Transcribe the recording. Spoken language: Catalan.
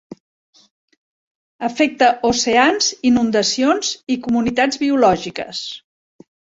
Afecta oceans, inundacions i comunitats biològiques.